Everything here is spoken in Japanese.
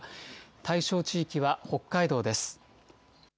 対象地域は北海道です。